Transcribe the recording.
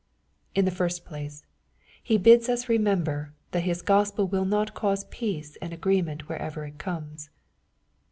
In the first place, He bids us remember that His Oos" pel will not cause peace and agreement wherever it comes.